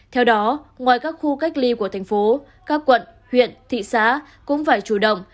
theo đó ngoài các khu cách ly của tp các quận huyện thị xã cũng phải chủ động